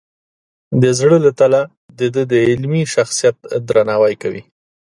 د زړه له تله د ده د علمي شخصیت درناوی کوي.